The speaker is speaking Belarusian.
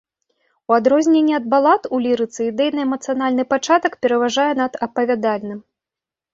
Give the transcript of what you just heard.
У адрозненне ад балад, у лірыцы ідэйна-эмацыянальны пачатак пераважае над апавядальным.